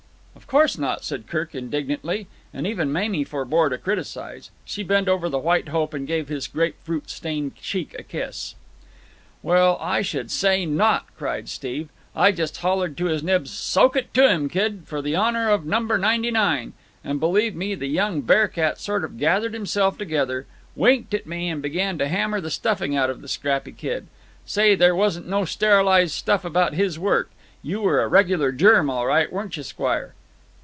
"Of course not," said Kirk indignantly, and even Mamie forbore to criticize. She bent over the White Hope and gave his grapefruit stained cheek a kiss. "Well, I should say not!" cried Steve. "I just hollered to his nibs, 'Soak it to him, kid! for the honour of No. 99'; and, believe me, the young bear cat sort of gathered himself together, winked at me, and began to hammer the stuffing out of the scrappy kid. Say, there wasn't no sterilized stuff about his work. You were a regular germ, all right, weren't you squire?"